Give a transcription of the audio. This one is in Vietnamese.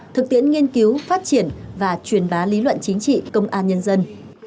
thực tiễn nghiên cứu phát triển và truyền bá lý luận chính trị công an nhân dân